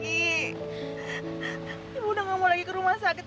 ibu udah gak mau lagi ke rumah sakit